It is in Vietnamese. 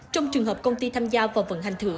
trong trường hợp công ty tham gia vào vận hành thử